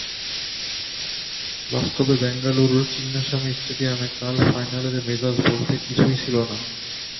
বাস্তবে বেঙ্গালুরুর চিন্নাস্বামী স্টেডিয়ামে কাল ফাইনালের মেজাজ বলতে কিছুই ছিল না।